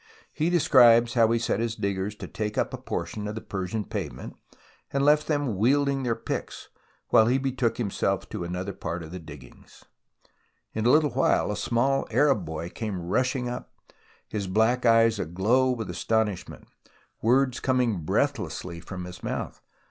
He describes how he set his diggers to take up a portion of the Persian pavement, and left them wielding their picks while he betook himself to another part of the diggings. 154 THE ROMANCE OF EXCAVATION In a little while a small Arab boy came rushing up, his black eyes aglow with astonishment, words coming breathlessly from his mouth.